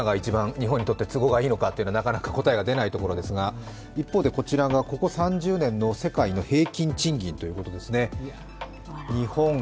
一体１ドルいくらが日本にとって一番都合がいいのかはなかなか答えが出ないところですが一方でこちらがここ３０年の世界の平均賃金です。